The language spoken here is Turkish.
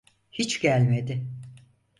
Hiç gelmedi.